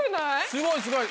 すごいすごい。